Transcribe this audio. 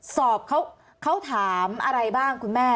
สอบเขาถามอะไรบ้างคุณแม่